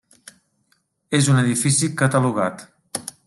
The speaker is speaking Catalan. És un edifici catalogat.